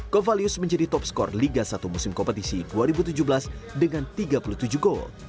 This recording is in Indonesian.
covalius menjadi top skor liga satu musim kompetisi dua ribu tujuh belas dengan tiga puluh tujuh gol